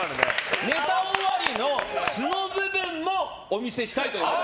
ネタ終わりの素の部分もお見せしたいと。